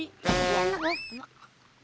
gak lagi enak loh